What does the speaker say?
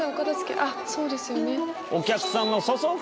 あっそうですよね。